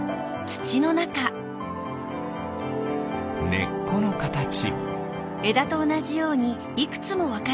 ねっこのかたち。